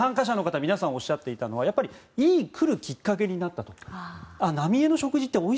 結構、参加者の方皆さんおっしゃっていたのが来るいいきっかけになったと。